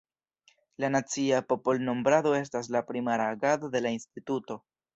La nacia popolnombrado estas la primara agado de la instituto.